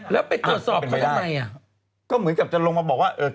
แล้วไปตรวจสอบเขาทำไม